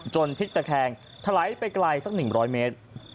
พลิกตะแคงถลายไปไกลสัก๑๐๐เมตร